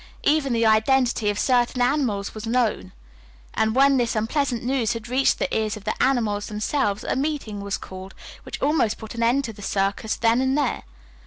Even the identity of certain animals was known, and when this unpleasant news had reached the ears of the "animals" themselves a meeting was called, which almost put an end to the circus then and there.